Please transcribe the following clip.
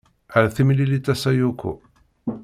Ar timlilit a Sayoko.